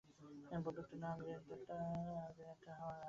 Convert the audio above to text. বন্দুকটা নাও, আর গ্রেনেডটা আমাকে দাও।